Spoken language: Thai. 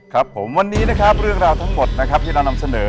ครับผมวันนี้นะครับเรื่องราวทั้งหมดนะครับที่เรานำเสนอ